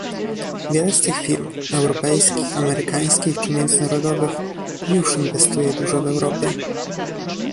Wiele z tych firm - europejskich, amerykańskich czy międzynarodowych, już inwestuje dużo w Europie